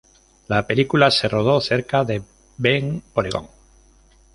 La película se rodó cerca de Bend, Oregón.